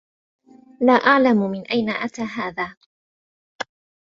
لا أعلم من أين أتى هذا.